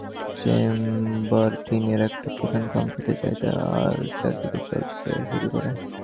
Chamber তিনের একটা প্রধান পাম্প ফেটে যায় আর চারিদিকে জল ছিটানো শুরু করে।